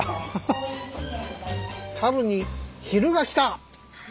サルに昼がきた！